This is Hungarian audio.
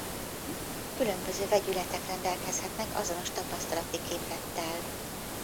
Különböző vegyületek rendelkezhetnek azonos tapasztalati képlettel.